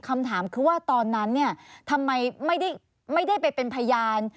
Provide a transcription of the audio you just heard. คำถามคือว่าตอนนั้นเนี่ยทำไมไม่ได้ไปเป็นพยาน